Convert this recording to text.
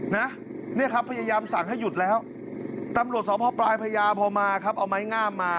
เนี่ยครับพยายามสั่งให้หยุดแล้วตำรวจสพปลายพญาพอมาครับเอาไม้งามมา